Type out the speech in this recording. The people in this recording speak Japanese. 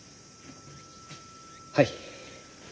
はい。